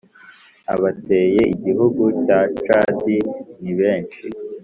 abateye igihugu cya cadi nibenshi